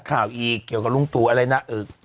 ข่าวอีกเกี่ยวกับลุงตู่อะไรนะ